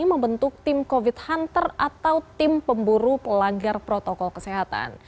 membentuk tim covid hunter atau tim pemburu pelanggar protokol kesehatan